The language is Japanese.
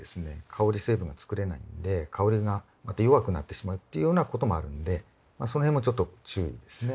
香り成分が作れないんで香りがまた弱くなってしまうっていうようなこともあるんでそのへんもちょっと注意ですね。